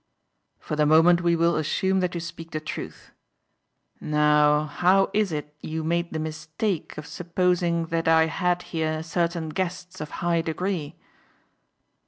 "For the moment we will assume that you speak the truth. Now, how is it you made the mistake of supposing that I had here certain guests of high degree?"